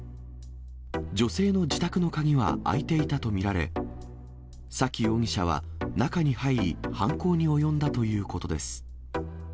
女性の自宅の鍵は開いていたと見られ、崎容疑者は中に入り、犯行に及んだということです。